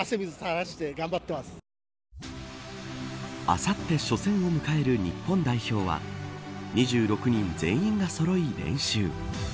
あさって初戦を迎える日本代表は２６人全員がそろい、練習。